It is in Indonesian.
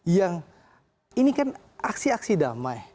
yang ini kan aksi aksi damai